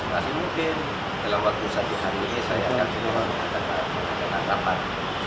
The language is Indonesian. semakin mungkin dalam waktu satu hari ini saya akan menurut mengadakan terapat